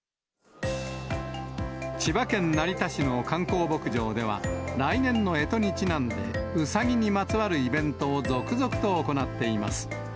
千葉県成田市の観光牧場では、来年のえとにちなんで、うさぎにまつわるイベントを続々と行っています。